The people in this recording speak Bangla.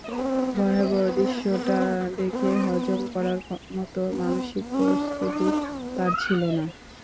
ভয়াবহ দৃশ্যটা দেখে হজম করার মতো মানসিক প্রস্তুতি তার ছিল না।